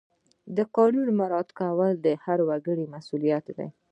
د قانون مراعات کول د هر وګړي مسؤلیت دی.